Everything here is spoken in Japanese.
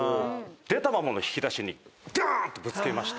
出たままの引き出しにガーン！ってぶつけまして。